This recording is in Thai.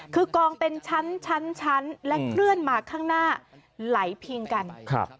คือกองเป็นชั้นชั้นชั้นและเคลื่อนมาข้างหน้าไหลเพียงกัน